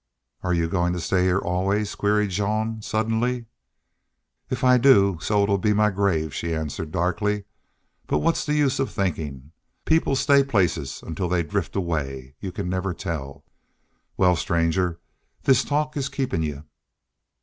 "Are you goin' to stay here always?" queried Jean, suddenly. "If I do so it 'll be in my grave," she answered, darkly. "But what's the use of thinkin'? People stay places until they drift away. Y'u can never tell.... Well, stranger, this talk is keepin' y'u."